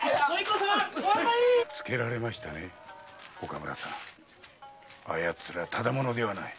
つけられましたね岡村さん。あやつらただ者ではない。